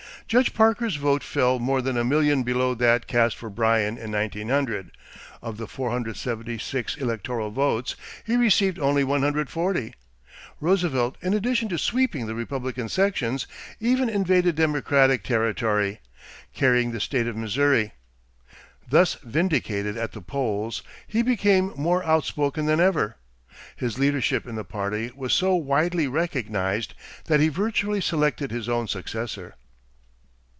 Judge Parker's vote fell more than a million below that cast for Bryan in 1900; of the 476 electoral votes he received only 140. Roosevelt, in addition to sweeping the Republican sections, even invaded Democratic territory, carrying the state of Missouri. Thus vindicated at the polls, he became more outspoken than ever. His leadership in the party was so widely recognized that he virtually selected his own successor.